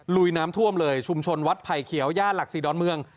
ลุยน้ำท่วมเลยชุมชนวัดไผ่เขียวย่านหลักศรีดอนเมือง